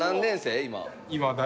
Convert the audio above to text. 今。